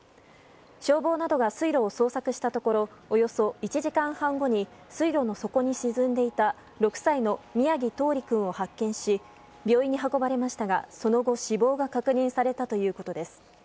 消防などが水路を捜索したところおよそ１時間半後に水路の底に沈んでいた６歳の宮城柊李君を発見し病院に運ばれましたがその後、死亡が確認されたということです。